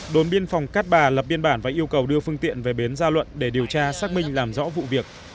đồn biên phòng cát bà lập biên bản và yêu cầu đưa phương tiện về bến gia luận để điều tra xác minh làm rõ vụ việc